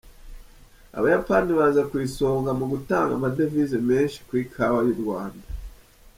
Abayapani baza ku isonga mu gutanga amadevize menshi ku ikawa y’u Rwanda.